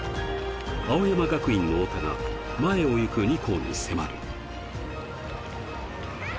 青山学院の太田が前を行く２校に迫る。